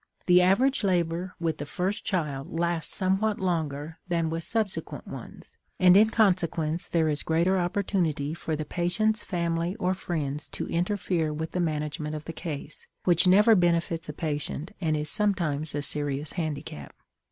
The average labor with the first child lasts somewhat longer than with subsequent ones, and in consequence there is greater opportunity for the patient's family or friends to interfere with the management of the case, which never benefits a patient, and is sometimes a serious handicap.